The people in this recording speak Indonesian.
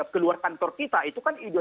keluar kantor kita itu kan ideal